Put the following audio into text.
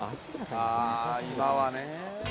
あ今はね。